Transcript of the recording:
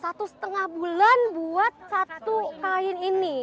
satu setengah bulan buat satu kain ini